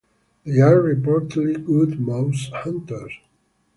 They are reportedly good mouse hunters.